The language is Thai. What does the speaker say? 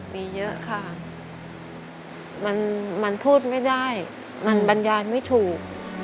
มีเยอะค่ะมันพูดไม่ได้มันบรรยายไม่ถูก